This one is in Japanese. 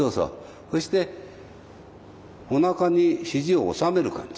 そしておなかに肘を納める感じ。